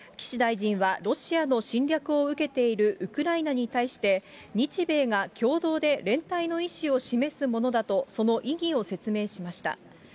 岸大臣は、ロシアの侵略を受けているウクライナに対して、日米が共同で連帯の意思を示すものだと、その意義を説明しました。